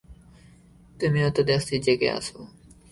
তুমিও তো দেখছি জেগে আছ?